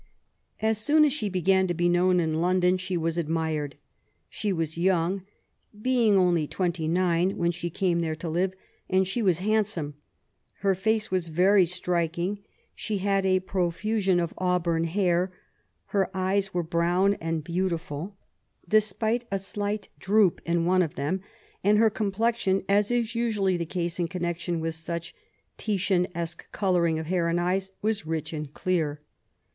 As soon as she began to be known in London she was admired. She was young — ^being only twenty nine when she came there to live — and she was hand some. Her face was very striking. She had a profusion of auburn hair; her eyes were brown and beautiful. LITEBABY LIFE. 79 despite a slight droop in one of them ; and her com plexion^ as is usually the case in connection with such Titianesque colouring of hair and eyes^ was rich and clear.